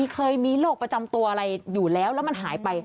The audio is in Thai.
เคยมีโรคประจำตัวอะไรอยู่แล้วแล้วมันหายไป